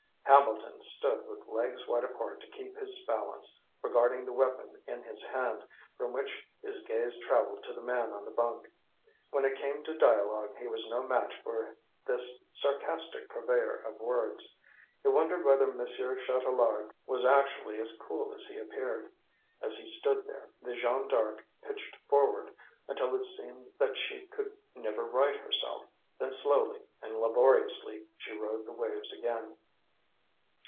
Hambleton stood with legs wide apart to keep his balance, regarding the weapon in his hand, from which his gaze traveled to the man on the bunk. When it came to dialogue, he was no match for this sarcastic purveyor of words. He wondered whether Monsieur Chatelard was actually as cool as he appeared. As he stood there, the Jeanne D'Arc pitched forward until it seemed that she could never right herself, then slowly and laboriously she rode the waves again.